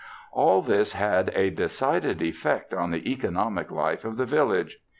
All this had a decided effect on the economic life of the village.